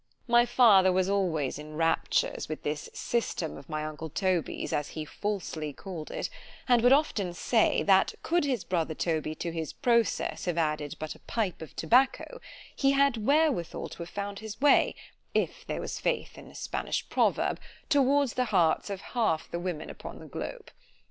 My father was always in raptures with this system of my uncle Toby's, as he falsely called it, and would often say, that could his brother Toby to his processe have added but a pipe of tobacco——he had wherewithal to have found his way, if there was faith in a Spanish proverb, towards the hearts of half the women upon the globe.